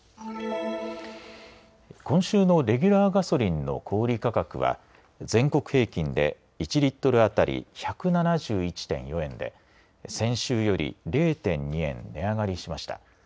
今週のレギュラーガソリンの小売り価格は、全国平均で、１リットル当たり１７１．４円で、先週より０．２円値上がりしました。